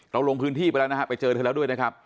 ลงพื้นที่ไปแล้วนะฮะไปเจอเธอแล้วด้วยนะครับ